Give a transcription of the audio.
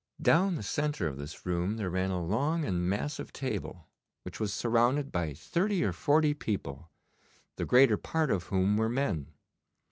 Down the centre of this room there ran a long and massive table, which was surrounded by thirty or forty people, the greater part of whom were men.